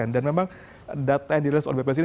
dan memang data yang dirilis oleh bps ini